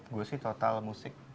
gue sih total musik